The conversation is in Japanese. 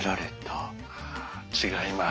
違います。